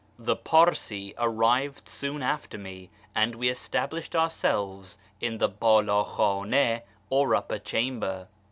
The Parsee arrived soon after me, and we established ourselves in the hdld l:hdnS or upper chamber.